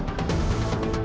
aku mau berjalan